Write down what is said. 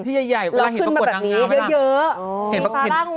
พี่ใหญ่ก็เห็นประกวดนางงาวเยอะ